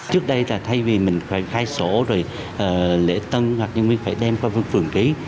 trước đây thay vì mình phải khai sổ lễ tân hoặc nhân viên phải đem qua phường ký